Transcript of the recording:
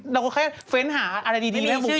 เราแค่เฟ้นหาอะไรดีแม่งบุกบุก